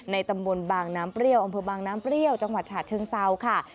ตำบลบางน้ำเปรี้ยวอำเภอบางน้ำเปรี้ยวจังหวัดฉะเชิงเซาค่ะ